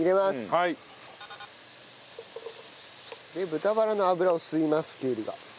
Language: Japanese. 豚バラの脂を吸いますきゅうりが。